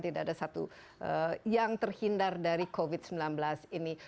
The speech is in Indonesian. tidak ada satu yang terhindar dari covid sembilan belas ini